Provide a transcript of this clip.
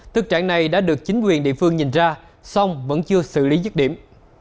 tức trạng này đã được chính quyền địa phương nhìn ra xong vẫn chưa xử lý dứt điểm